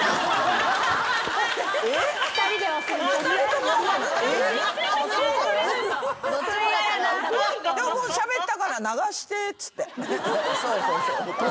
「えっ？」でもしゃべったから流してっつって。